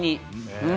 うん。